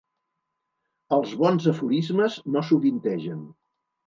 Els bons aforismes no sovintegen.